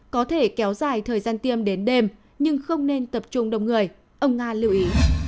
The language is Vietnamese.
có thể kéo dài thời gian tiêm đến đêm nhưng không nên tập trung đông người ông nga lưu ý